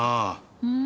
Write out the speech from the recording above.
うん？